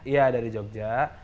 iya dari jogja